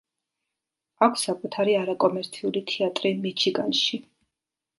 აქვს საკუთარი არაკომერციული თეატრი მიჩიგანში.